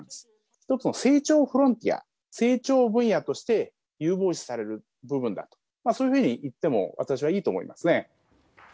一つの成長フロンティア、成長分野として有望視される部分だと、そういうふうにいっても、私はいいと思いますね。